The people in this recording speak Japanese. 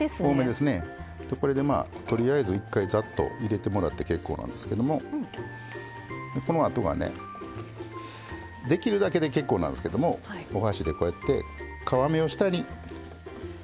でこれでまあとりあえず一回ざっと入れてもらって結構なんですけどもでこのあとはねできるだけで結構なんですけどもお箸でこうやって皮目を下に最初にして頂く。